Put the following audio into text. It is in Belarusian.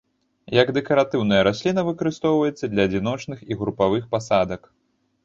Як дэкаратыўная расліна выкарыстоўваецца для адзіночных і групавых пасадак.